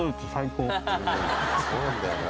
「そうなんだよな。